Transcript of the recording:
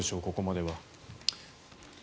ここまでは。